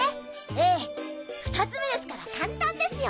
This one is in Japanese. ええ２つ目ですから簡単ですよ！